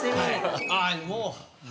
あっもう！